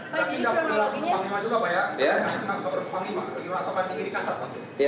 pak jadi penologinya